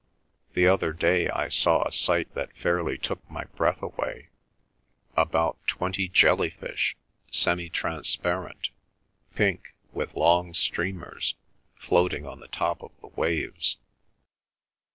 The other day I saw a sight that fairly took my breath away—about twenty jelly fish, semi transparent, pink, with long streamers, floating on the top of the waves."